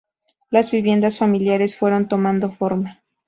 Las viviendas familiares fueron tomando forma.